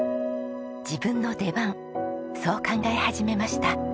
「自分の出番」そう考え始めました。